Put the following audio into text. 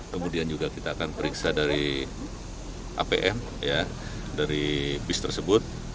kemudian juga kita akan periksa dari apm dari bis tersebut